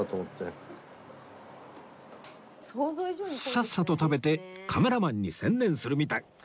さっさと食べてカメラマンに専念するみたい